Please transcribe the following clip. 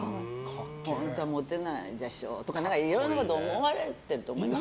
本当はモテないとかいろいろなことを思われていると思いますよ。